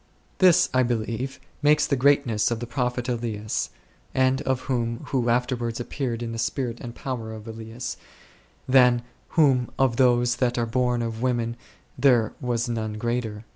This, I believe, makes the greatness of the prophet Elias, and of him who afterwards ap peared in the spirit and power of Elias, than whom " of those that are born of women there was none greater s."